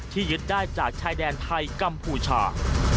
ยึดได้จากชายแดนไทยกัมพูชา